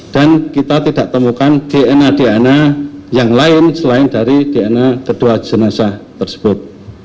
dan kita tidak temukan dna dna yang lain selain dari dna kedua jenazah tersebut